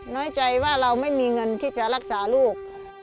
น้อยใจว่าเราไม่มีเงินที่จะรักษาลูก